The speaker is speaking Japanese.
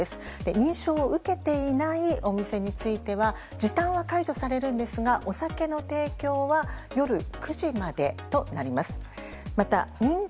認証を受けていないお店については時短は解除されるんですがお酒の提供は夜９時までとなります。